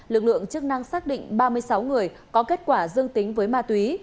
lực lượng chức năng xác định ba mươi sáu người có kết quả dương tính với ma túy